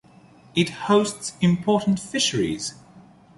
It hosts important fisheries.